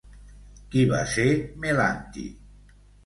Qui va ser Melanti?